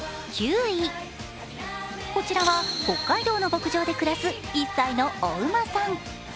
こちらは北海道の牧場で暮らす１歳のお馬さん。